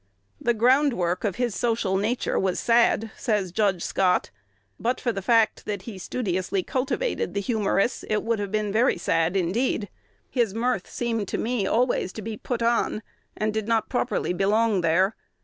"The groundwork of his social nature was sad," says Judge Scott; "but for the fact that he studiously cultivated the humorous, it would have been very sad indeed. His mirth to me always seemed to be put on, and did not properly belong there.